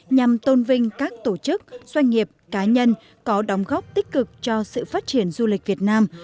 nhằm tôn vinh các tổ chức doanh nghiệp cá nhân có đóng góp tích cực cho sự phát triển du lịch việt nam